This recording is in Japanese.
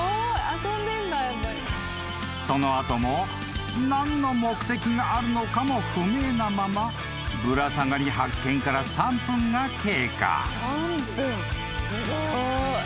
［その後も何の目的があるのかも不明なままぶら下がり発見から３分が経過］